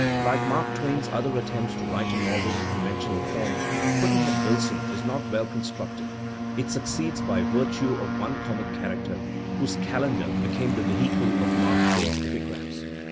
Like Mark Twain's other attempts to write a novel in conven tional form, "Pudd'nhead Wilson*' is not well constructed; it succeeds by virtue of one comic character, whose "cal endar" became the vehicle of Mark Twain's epigrams.